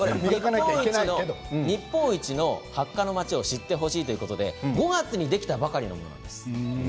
日本一のハッカの町を知ってほしいということでこれは５月にできたばかりなんです。